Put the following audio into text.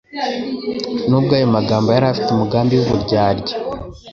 Nubwo ayo magambo yari afite umugambi w'uburyarya,